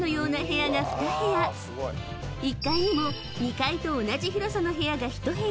［１階にも２階と同じ広さの部屋が１部屋］